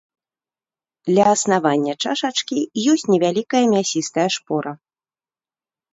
Ля аснавання чашачкі ёсць невялікая мясістая шпора.